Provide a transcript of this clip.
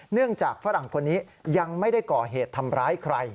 เนื่องจากฝรั่งคนนี้ยังไม่ได้ก่อเหตุทำร้ายใคร